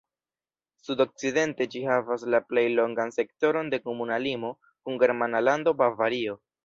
Sudokcidente ĝi havas la plej longan sektoron de komuna limo kun germana lando Bavario.